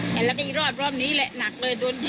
เห็นแล้วอีกรอบนี้นี่แหละหนักเลย